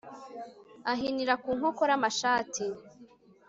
Ahinira ku nkokora amashati